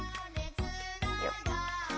よっ！